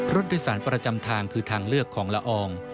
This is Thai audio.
รถโดยสารประจำทางคือทางเลือกของละออง